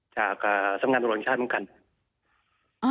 จากสำนักโรงงานชาติเหมือนกัน